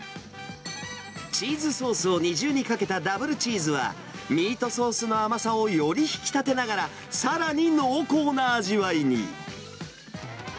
チーズソースを二重にかけたダブルチーズは、ミートソースの甘さをより引き立てながら、さらに濃厚な味わいに。